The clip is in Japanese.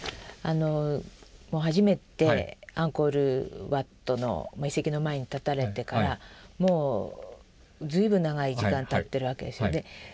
初めてアンコール・ワットの遺跡の前に立たれてからもう随分長い時間たってるわけですよね。